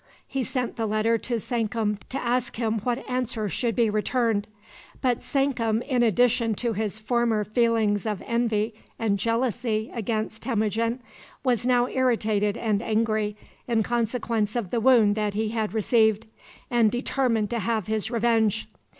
He sent the letter to Sankum to ask him what answer should be returned. But Sankum, in addition to his former feelings of envy and jealousy against Temujin, was now irritated and angry in consequence of the wound that he had received, and determined to have his revenge.